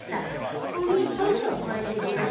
ここに調味料を加えていきます。